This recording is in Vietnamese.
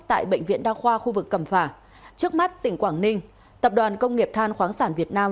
tại bệnh viện đa khoa khu vực cẩm phả trước mắt tỉnh quảng ninh tập đoàn công nghiệp than khoáng sản việt nam